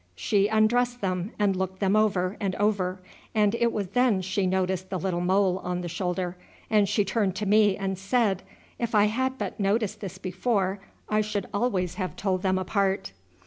She undressed them, and looked them over and over, and it was then she noticed the little mole on the shoulder, and she turned to me and said, 'If I had but noticed this before I should always have told them apart.'